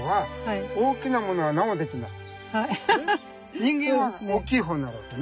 人間は大きい方になるわけね。